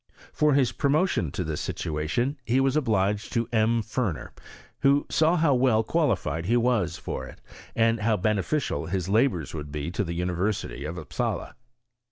For his promotion to this sitoation be was obliged to M. Ferner, who saw how well qua lified he was for it, and how beneficial his labouil would be to the University of Upsala.